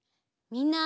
みんな。